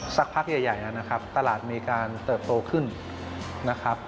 สักพักใหญ่นะครับตลาดมีการเติบโตขึ้นนะครับ